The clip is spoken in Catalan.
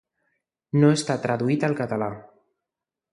No està traduït al català.